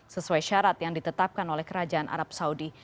sesuai syarat yang ditetapkan oleh kerajaan arab saudi